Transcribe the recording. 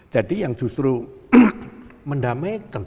jadi yang justru mendamaikan